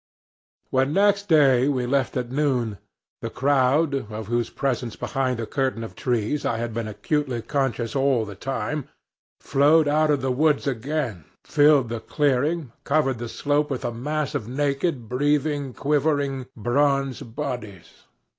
"When next day we left at noon, the crowd, of whose presence behind the curtain of trees I had been acutely conscious all the time, flowed out of the woods again, filled the clearing, covered the slope with a mass of naked, breathing, quivering, bronze bodies.